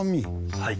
はい。